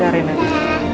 satu dua tiga